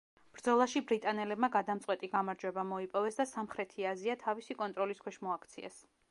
ბრძოლაში ბრიტანელებმა გადამწყვეტი გამარჯვება მოიპოვეს და სამხრეთი აზია თავისი კონტროლის ქვეშ მოაქციეს.